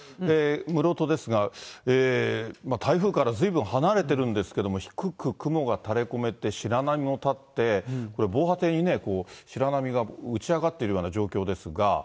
室戸ですが、台風からずいぶん離れてるんですけれども、低く雲がたれこめて、白波も立って、これ、防波堤に、白波が打ち上がっているような状況ですが。